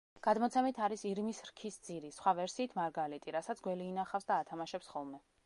გადმოცემით, არის ირმის რქის ძირი, სხვა ვერსიით, მარგალიტი, რასაც გველი ინახავს და ათამაშებს ხოლმე.